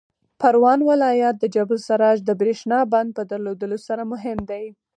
پروان ولایت د جبل السراج د برېښنا بند په درلودلو سره مهم دی.